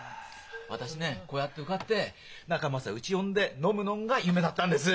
私ねこうやって受かって仲間さうち呼んで飲むのが夢だったんです。